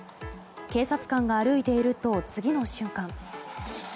警察官が歩いていると、次の瞬間